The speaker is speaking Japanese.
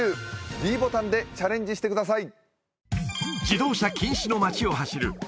ｄボタンでチャレンジしてください